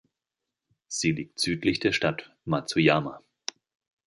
Sie liegt südlich der Stadt Matsuyama.